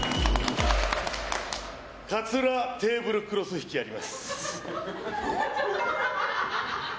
カツラテーブルクロス引きやります。